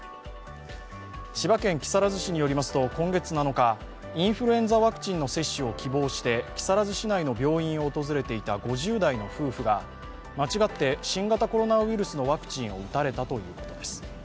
千葉県木更津市によりますと、今月７日、インフルエンザワクチンの接種を希望して木更津市内の病院を訪れていた５０代の夫婦が間違って新型コロナウイルスのワクチンを打たれたということです。